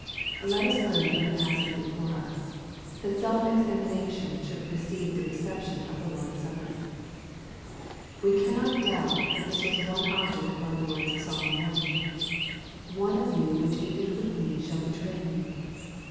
Let us learn from the passage before us, that self examination should precede the reception of the Lord's Supper. We cannot doubt that this was one object of our Lord's solemn warning, " One of you which eateth with me shall betray me."